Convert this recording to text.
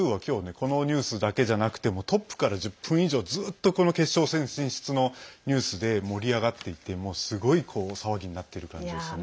このニュースだけじゃなくてトップから１０分以上ずっとこの決勝戦進出のニュースで盛り上がっていてすごい騒ぎになっている感じですね。